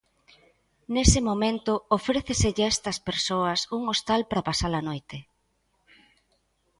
Nese momento, ofréceselle a estas persoas un hostal para pasar a noite.